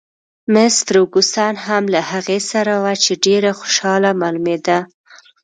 مس فرګوسن هم له هغې سره وه، چې ډېره خوشحاله معلومېده.